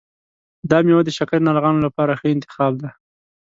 دا میوه د شکرې ناروغانو لپاره ښه انتخاب دی.